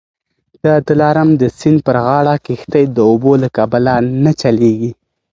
د دلارام د سیند پر غاړه کښتۍ د اوبو له کبله نه چلیږي